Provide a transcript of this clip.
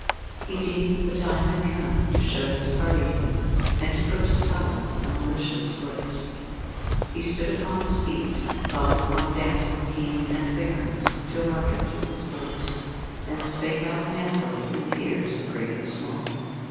He deemed the time had come to show his hardihood, and to put to silence the malicious lips. He stood upon his feet, calling upon damsel, King and barons to hearken to his voice, and spake out manfully in the ears of great and small.